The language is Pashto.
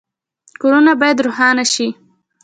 کورونه باید روښانه شي